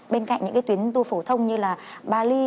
bên cạnh những cái tuyến tour phổ thông như là bali